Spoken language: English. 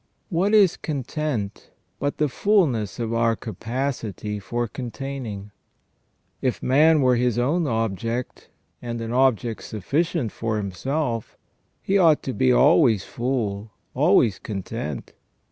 * What is content but the fulness of our capacity for containing ? If man were his own object, and an object sufficient for himself, he ought to be always full, always content.